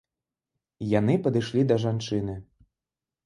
Яны падышлі да жанчыны.